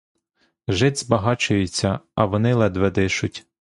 Жид збагачується, а вони ледве дишуть…